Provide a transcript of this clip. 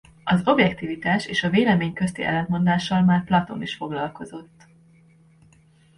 Az objektivitás és a vélemény közti ellentmondással már Platón is foglalkozott.